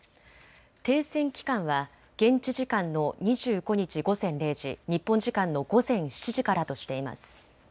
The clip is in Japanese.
停戦期間は現地時間の２５日午前０時、日本時間の午前７時からとしています。